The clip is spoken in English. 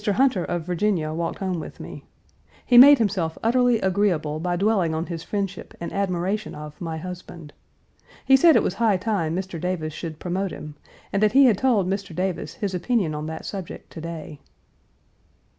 Hunter, of Virginia, walked home with me. He made himself utterly agreeable by dwelling on his friendship and admiration of my husband. He said it was high time Mr. Davis should promote him, and that he had told Mr. Davis his opinion on that subject to day.